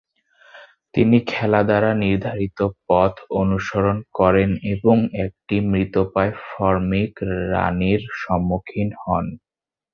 তিনি খেলা দ্বারা নির্ধারিত পথ অনুসরণ করেন, এবং একটি মৃতপ্রায় ফরমিক রানীর সম্মুখীন হন।